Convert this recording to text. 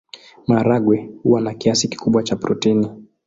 Maharagwe huwa na kiasi kikubwa cha protini.